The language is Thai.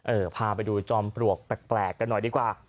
พาไปดูจอมปลวกแปลกกันหน่อยดีกว่า